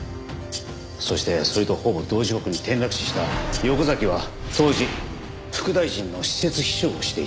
そしてそれとほぼ同時刻に転落死した横崎は当時副大臣の私設秘書をしていた。